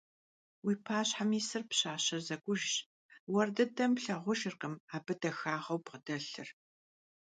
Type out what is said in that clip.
Vui paşhem yisır pşaşe zek'ujjş, vuer dıdem plhağurkhım abı daxağeu bğedelhır.